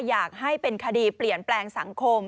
อยากให้เป็นคดีเปลี่ยนแปลงสังคม